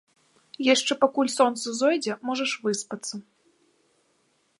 Яшчэ пакуль сонца зойдзе, можаш выспацца.